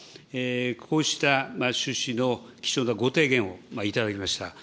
こうした趣旨の貴重なご提言を頂きました。